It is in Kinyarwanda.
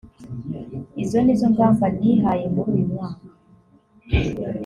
izo nizo ngamba nihaye muri uyu mwaka